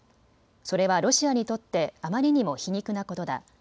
それはロシアにとってあまりにも皮肉なことだ。